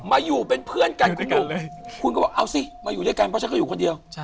มาอยู่เป็นเพื่อนกันคุณหนุ่มคุณก็บอกเอาสิมาอยู่ด้วยกันเพราะฉันก็อยู่คนเดียว